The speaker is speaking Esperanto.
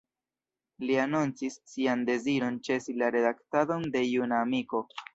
Li anoncis sian deziron ĉesi la redaktadon de Juna Amiko.